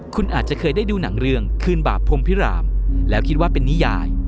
คุณอาจจะเคยได้ดูหนังเรื่องคืนบาปพรมพิรามแล้วคิดว่าเป็นนิยาย